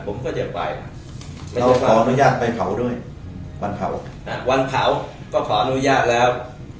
ผมก็จะไปเราขออนุญาตไปเผาด้วยวันเผาวันเผาก็ขออนุญาตแล้ว